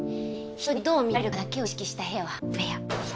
人にどう見られるかだけを意識した部屋はぶしゃ部屋。